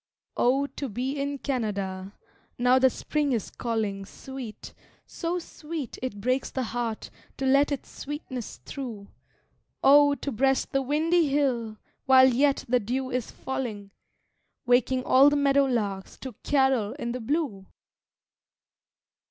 Oh, to be in Canada, now that Spring is calling Sweet, so sweet it breaks the heart to let its sweetness through, Oh, to breast the windy hill while yet the dew is falling Waking all the meadow larks to carol in the blue!